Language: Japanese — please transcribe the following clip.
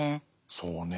そうね。